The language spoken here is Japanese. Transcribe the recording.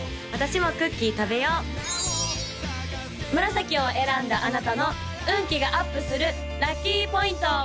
・私もクッキー食べよう紫を選んだあなたの運気がアップするラッキーポイント！